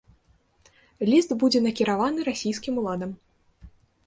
Ліст будзе накіраваны расійскім уладам.